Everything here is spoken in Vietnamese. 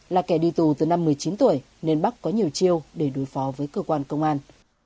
là kẻ đi tù từ năm một mươi chín tuổi nên bắc có nhiều chiêu để đối phó với cơ quan công an